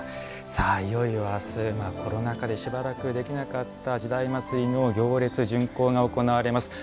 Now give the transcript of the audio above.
いよいよ明日、コロナ禍でしばらくできなかった「時代祭」の行列巡行が行われます。